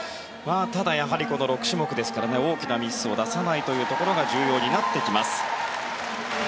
ただやはりこの６種目ですから大きなミスを出さないというところが重要になってきます。